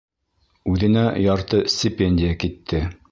Үҙенә ярты стипендия китте!